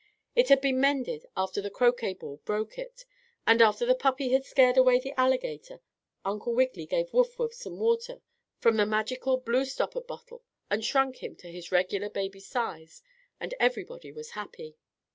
It had been mended after the croquet ball broke it. And, after the puppy had scared away the alligator, Uncle Wiggily gave Wuff Wuff some water from the magical blue stoppered bottle and shrunk him to his regular baby size, and everybody was happy.